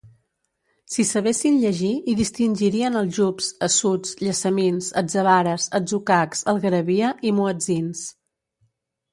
Si sabessin llegir hi distingirien aljubs, assuts, llessamins, atzavares, atzucacs, algaravia i muetzins.